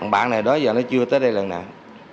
bạn này đó giờ nó chưa tới đây lần nào